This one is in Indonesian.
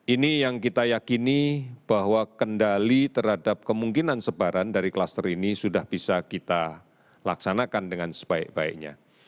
ini yang kita yakini bahwa kendali terhadap kemungkinan sebaran dari kluster ini sudah bisa kita laksanakan dengan sebaik baiknya